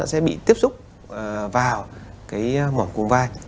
nó sẽ bị tiếp xúc vào cái mỏm cùng vai